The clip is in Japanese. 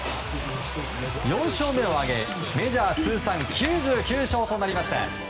４勝目を挙げ、メジャー通算９９勝となりました。